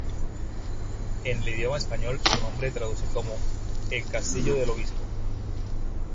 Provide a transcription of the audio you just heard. En el idioma español su nombre traduce como "El Castillo del Obispo".